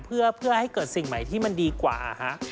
เพื่อให้เกิดสิ่งใหม่ที่มันดีกว่าฮะ